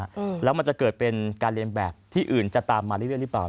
อืมแล้วมันจะเกิดเป็นการเรียนแบบที่อื่นจะตามมาเรื่อยหรือเปล่า